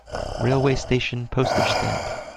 Railway station Postage stamp.